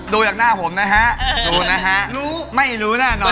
ดูจากหน้าผมนะฮะดูนะฮะรู้ไม่รู้แน่นอน